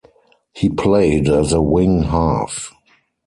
He played as a wing half.